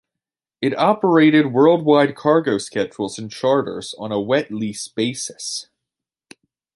It operated worldwide cargo schedules and charters on a wet-lease basis.